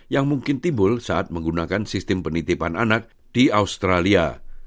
yang mungkin timbul saat menggunakan sistem penitipan anak di australia